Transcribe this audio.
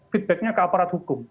feedbacknya ke aparat hukum